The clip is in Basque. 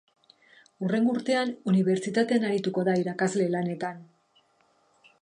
Hurrengo urtean, unibertsitatean arituko da irakasle lanetan.